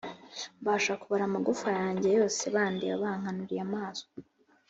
mbasha kubara amagufwa yanjye yose, bandeba bankanuriye amaso